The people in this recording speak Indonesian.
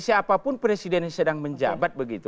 siapapun presiden yang sedang menjabat begitu